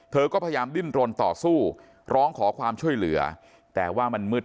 เธอก็พยายามดิ้นรนต่อสู้ร้องขอความช่วยเหลือแต่ว่ามันมืด